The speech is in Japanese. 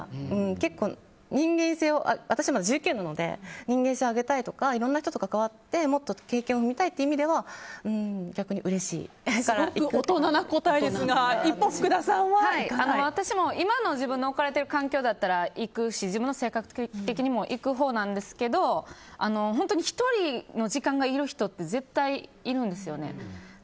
結構、人間性を私まだ１９なので人間性を上げたいとかいろんな人と関わってもっと経験を積みたいという意味ではすごく大人な答えですが私も今の自分の置かれている環境だったら行くし、自分の性格的にも行くほうなんですけど本当に１人の時間がいる人って絶対いるんですよ。